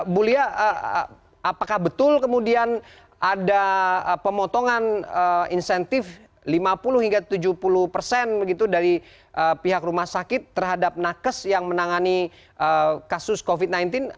bu lia apakah betul kemudian ada pemotongan insentif lima puluh hingga tujuh puluh persen dari pihak rumah sakit terhadap nakes yang menangani kasus covid sembilan belas